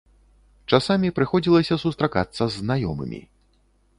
Часамі прыходзілася сустракацца з знаёмымі.